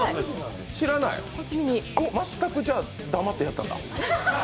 全く黙ってやったんだ。